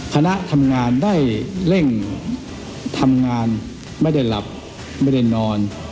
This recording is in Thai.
คณะทำงานได้เร่งทำงานไม่ได้หลับไม่ได้นอน